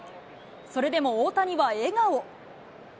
それでも大谷は笑顔。